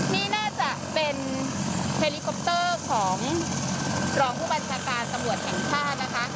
นี่น่าจะเป็นเฮลิคอปเตอร์ของรองผู้บัญชาการตำรวจแห่งชาตินะคะ